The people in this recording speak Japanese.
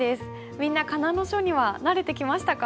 みんな仮名の書には慣れてきましたか？